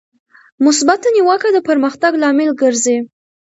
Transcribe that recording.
مثبته نیوکه د پرمختګ لامل ګرځي.